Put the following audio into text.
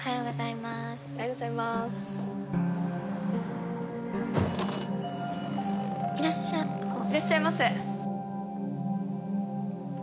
いらっしゃいませ。